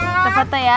siap siap ya satu dua